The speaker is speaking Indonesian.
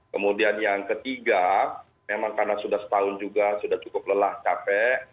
kemudian yang ketiga memang karena sudah setahun juga sudah cukup lelah capek